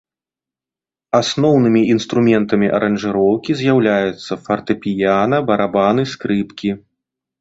Асноўным інструментамі аранжыроўкі з'яўляюцца фартэпіяна, барабаны скрыпкі.